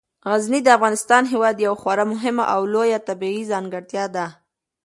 غزني د افغانستان هیواد یوه خورا مهمه او لویه طبیعي ځانګړتیا ده.